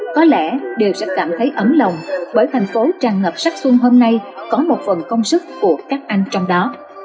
có lẽ đều sẽ cảm thấy ấm lòng bởi thành phố tràn ngập sắc xuân hôm nay có một phần công sức của các anh trong đó